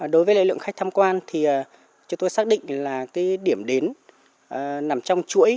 đối với lượng khách tham quan chúng tôi xác định là điểm đến nằm trong chuỗi